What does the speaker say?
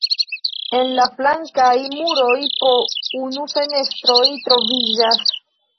En la flankaj muroj po unu fenestroj troviĝas.